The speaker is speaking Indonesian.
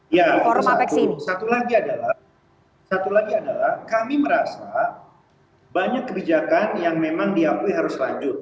ya satu lagi adalah kami merasa banyak kebijakan yang memang diakui harus lanjut